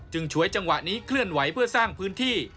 ฉวยจังหวะนี้เคลื่อนไหวเพื่อสร้างพื้นที่